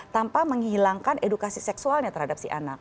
tanpa menghilangkan edukasi seksualnya terhadap si anak